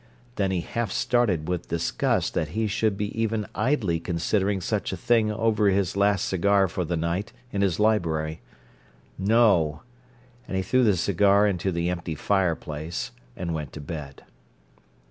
Then he half started with disgust that he should be even idly considering such a thing over his last cigar for the night, in his library. "No!" And he threw the cigar into the empty fireplace and went to bed.